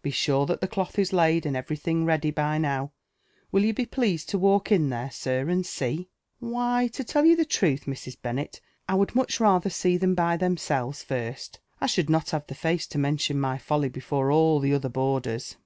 Be sure that the cloth is laid, and every thing ready by now. Will you be pleased lo walk in tliere, air, and see f Why, to tell y^u the truth, Mrs. Bennel, I would much rathejr «ee tfiem by themselves first : I should not have the face to mention my fully before all the other boarders."